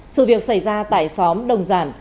sự việc xảy ra tại xóm đồng giản